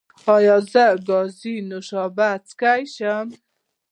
ایا زه ګازي نوشابې څښلی شم؟